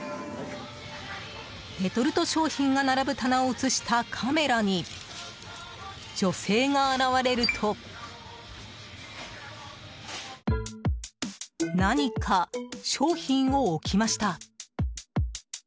レトルト商品が並ぶ棚を映したカメラに女性が現れると何か商品を置きました。